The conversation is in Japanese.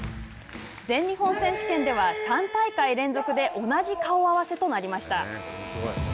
全日本選手権では３大会連続で同じ顔合わせとなりました。